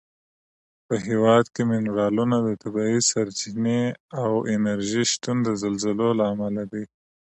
په هېواد کې منرالونه، طبیعي سرچینې او انرژي شتون د زلزلو له امله دی.